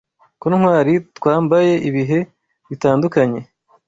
Ko twari twambaye ibihe bitandukanye